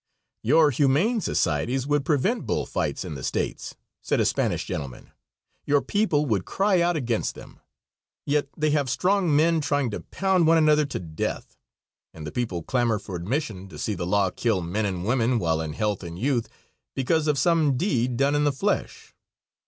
"Your humane societies would prevent bull fights in the States," said a Spanish gentleman; "your people would cry out against them. Yet they have strong men trying to pound one another to death, and the people clamor for admission to see the law kill men and women, while in health and youth, because of some deed done in the flesh.